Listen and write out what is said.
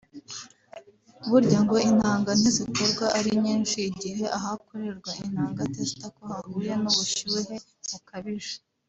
Burya ngo intanga ntizikorwa ari nyinshi igihe ahakorerwa intanga (testicule) hahuye n’ubushyuhe bukabije